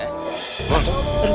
emang itu berani